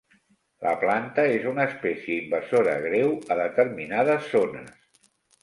La planta és una espècie invasora greu a determinades zones.